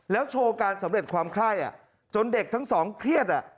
โชว์การสำเร็จความไข้จนเด็กทั้งสองเครียด